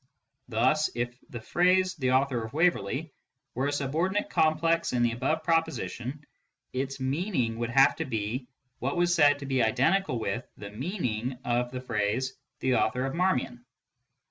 Thus, if " the author of Waverley " were a subordinate complex in the above proposition, its meaning would have to be what was said to be identical with the meaning of " the author of Marmion."